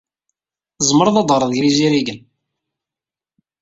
Tzemreḍ ad teɣreḍ gar yizirigen.